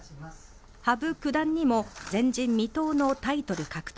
羽生九段にも、前人未到のタイトル獲得